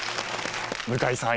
向井さん